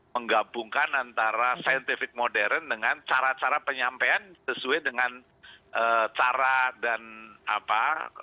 menggabungkan antara scientific modern dengan cara cara penyampaian sesuai dengan cara dan apa